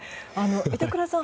板倉さん